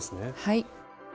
はい。